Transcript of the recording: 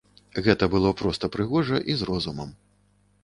Гэта было проста прыгожа і з розумам.